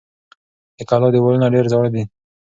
د کلا دېوالونه ډېر زاړه دي.